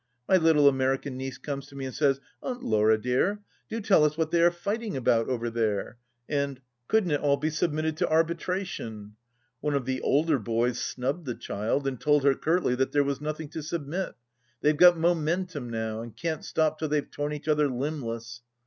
My little American niece comes to me and says, " Aunt Laura, dear, do tell us what they are fighting about over there ?" and " Couldn't it all be submitted to arbitration ?" One of the older boys snubbed the child, and told her curtly that there was nothing to submit. " They've got momentum now, and can't stop till they've torn each other limbless."